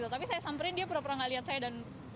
tapi saya samperin dia pura pura tidak lihat saya